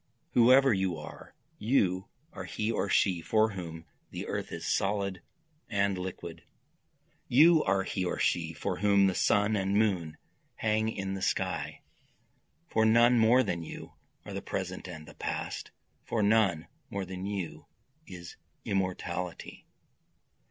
Whoever you are! you are he or she for whom the earth is solid and liquid, You are he or she for whom the sun and moon hang in the sky, For none more than you are the present and the past, For none more than you is immortality.